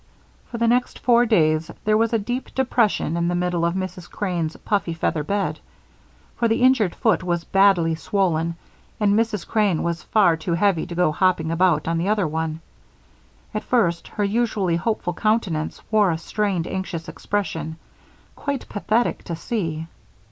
For the next four days there was a deep depression in the middle of Mrs. Crane's puffy feather bed, for the injured foot was badly swollen and Mrs. Crane was far too heavy to go hopping about on the other one. At first, her usually hopeful countenance wore a strained, anxious expression, quite pathetic to see.